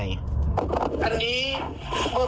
ให้ปากคำ